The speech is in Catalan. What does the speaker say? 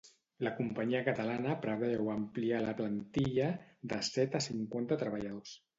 La companyia catalana preveu ampliar la plantilla de set a cinquanta treballadors.